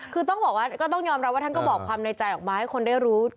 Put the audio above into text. คือต้องบอกว่าก็ต้องยอมรับว่าท่านก็บอกความในใจออกมาให้คนได้รู้